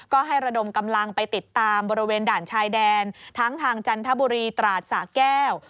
ก็ให้ระดมกำลังไปติดตามบริเวณด่านชายแดนทั้งทางจันทบุรีตราดสะแก้ว